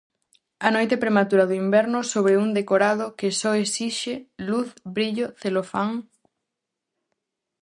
A noite prematura do inverno sobre un decorado que só esixe luz, brillo, celofán.